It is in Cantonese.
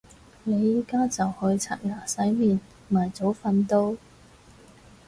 你而家就去刷牙洗面咪早瞓到